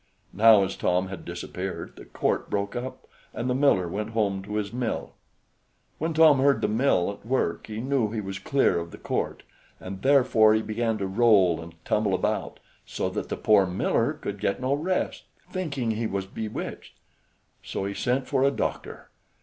Now, as Tom had disappeared, the court broke up, and the miller went home to his mill. When Tom heard the mill at work he knew he was clear of the court, and therefore he began to roll and tumble about, so that the poor miller could get no rest, thinking he was bewitched; so he sent for a doctor.